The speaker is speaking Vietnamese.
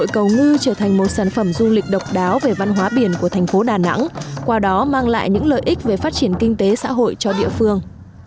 cầu ngư trở thành một sản phẩm du lịch độc đáo về văn hóa biển của thành phố đà nẵng qua đó mang lại những lợi ích về phát triển kinh tế xã hội cho địa phương